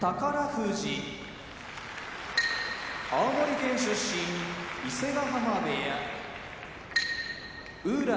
富士青森県出身伊勢ヶ濱部屋宇良